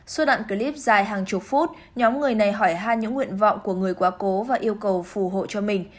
suốt đoạn clip dài hàng chục phút nhóm người này hỏi han những nguyện vọng của người quá cố và yêu cầu phù hộ cho mình